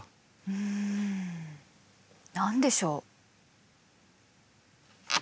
うん何でしょう？